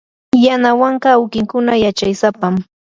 yanawanka awkinkuna yachaysapam.